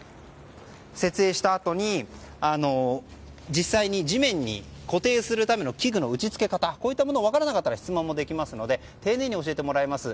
設営したあとに実際に地面に固定するための器具の打ち付け方など分からなかったら質問もできますので丁寧に教えてもらいます。